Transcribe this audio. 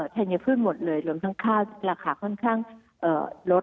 ธัญพืชหมดเลยรวมทั้งค่าราคาค่อนข้างลด